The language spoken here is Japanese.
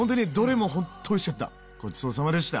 ごちそうさまでした！